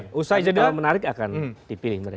kalau menarik akan dipilih mereka